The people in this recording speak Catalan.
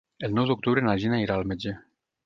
El nou d'octubre na Gina irà al metge.